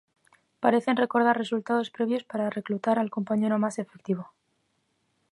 Parecen recordar resultados previos para reclutar al compañero más efectivo.